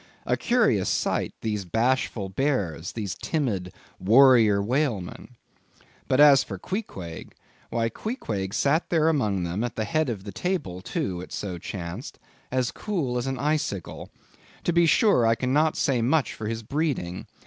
A curious sight; these bashful bears, these timid warrior whalemen! But as for Queequeg—why, Queequeg sat there among them—at the head of the table, too, it so chanced; as cool as an icicle. To be sure I cannot say much for his breeding.